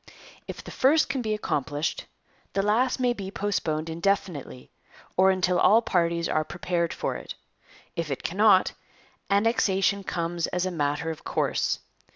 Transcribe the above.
If the first can be accomplished, the last may be postponed indefinitely, or until all parties are prepared for it. If it cannot, Annexation comes as a matter of course.